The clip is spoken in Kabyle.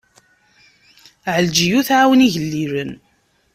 Ɛelǧiya ur tɛawen igellilen.